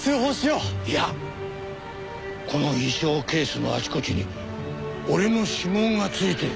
いやこの衣装ケースのあちこちに俺の指紋がついてる。